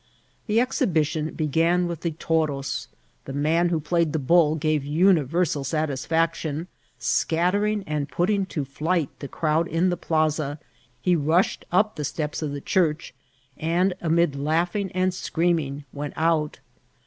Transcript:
The exhibition began with the Toros ; the man who played the bull gave universal satisfaction ; scattering and putting to flight the crowd in the plaza, he rushed up the steps of the church, and, amid laughing and screaming, went out.